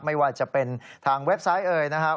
ไม่ว่าจะเป็นทางเว็บไซต์เอ่ยนะครับ